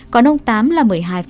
còn ông tám là một mươi hai